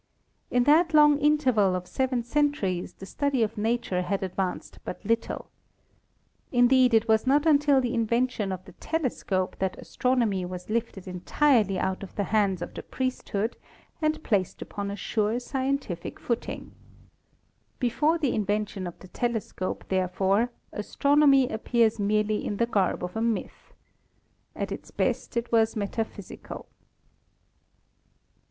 In that long interval of seven centuries the study of nature had advanced but little. Indeed it was not until the invention of the telescope that astronomy was lifted entirely out of the hands of the priesthood and placed upon a sure scientific footing. Be fore the invention of the telescope, therefore, astronomy appears merely in the garb of a myth. At its best it was metaphysical.